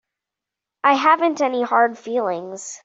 I haven't any hard feelings.